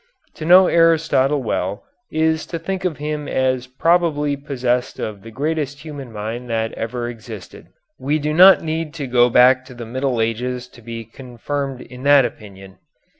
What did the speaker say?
To know Aristotle well is to think of him as probably possessed of the greatest human mind that ever existed. We do not need to go back to the Middle Ages to be confirmed in that opinion.